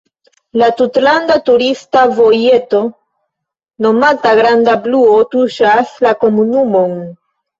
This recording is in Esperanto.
La tutlanda turista vojeto nomata granda bluo tuŝas la komunumon.